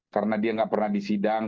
karena dia gak pernah disidang